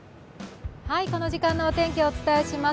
この時間のお天気をお伝えします。